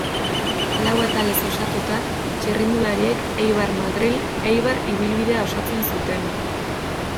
Lau atalez osatuta, txirrindulariek Eibar-Madril-Eibar ibilbidea osatzen zuten.